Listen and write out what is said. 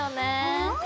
うん。